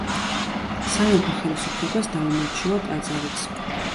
სამეფო ხელისუფლებას დაუმორჩილა ტაძარიც.